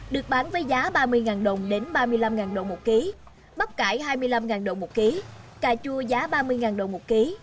được bán với giá ba mươi đồng đến ba mươi năm đồng một ký bắp cải hai mươi năm đồng một ký cà chua giá ba mươi đồng một ký